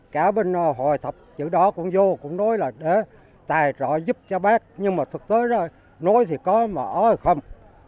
cả bên hội thập chữ đó cũng vô cũng nói là để tài trợ giúp cho bác nhưng mà thực tế nói thì có mà ơi không